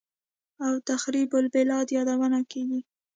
او «تخریب البلاد» یادونه کېږي